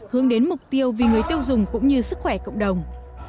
hướng đến mục tiêu vì người tiêu dùng cũng như sức khỏe cộng đồng